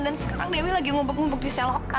dan sekarang dewi lagi ngumpuk ngumpuk di selokan